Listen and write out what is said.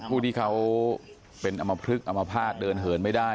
อู้ดี้เขาเป็นอัมพฤษอัมพาตเดินเหินไม่ได้